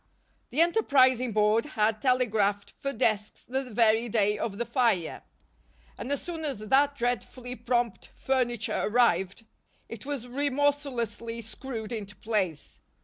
The enterprising Board had telegraphed for desks the very day of the fire; and as soon as that dreadfully prompt furniture arrived, it was remorselessly screwed into place.